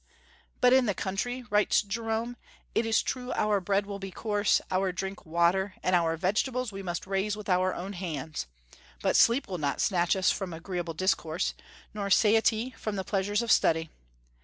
"But in the country," writes Jerome, "it is true our bread will be coarse, our drink water, and our vegetables we must raise with our own hands; but sleep will not snatch us from agreeable discourse, nor satiety from the pleasures of study.